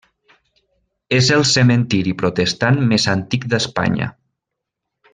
És el cementiri protestant més antic d'Espanya.